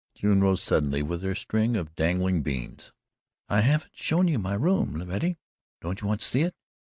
June rose suddenly with her string of dangling beans. "I haven't shown you my room, Loretty. Don't you want to see it?